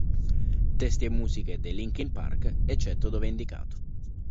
Testi e musiche dei Linkin Park, eccetto dove indicato.